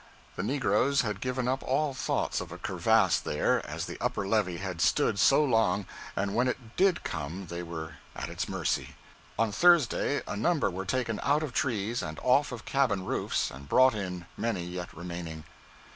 The negroes had given up all thoughts of a crevasse there, as the upper levee had stood so long, and when it did come they were at its mercy. On Thursday a number were taken out of trees and off of cabin roofs and brought in, many yet remaining.